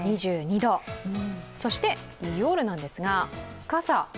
２２度、そして夜なんですが傘？